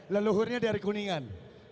leluhurnya dari kuningan